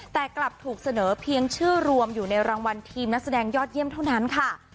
แต่กลับถูกเสนอเพียงชื่อรวมอยู่ในรางวัลทีมนักแสดงยอดเยี่ยมเท่านั้นค่ะ